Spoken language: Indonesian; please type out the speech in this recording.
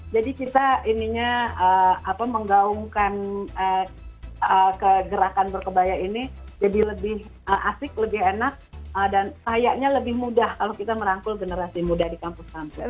jadi kita ininya menggaungkan kegerakan berkebaya ini jadi lebih asik lebih enak dan sayangnya lebih mudah kalau kita merangkul generasi muda di kampus kampus